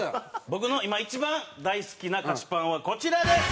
僕の今一番大好きな菓子パンはこちらです！